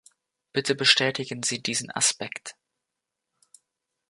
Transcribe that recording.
Bitte bestätigen Sie diesen Aspekt.